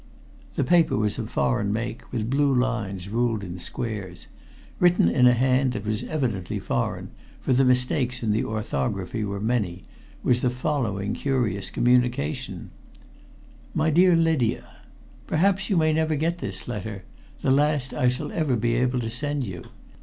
The paper was of foreign make, with blue lines ruled in squares. Written in a hand that was evidently foreign, for the mistakes in the orthography were many, was the following curious communication: "My Dear Lydia: "Perhaps you may never get this letter the last I shall ever be able to send you.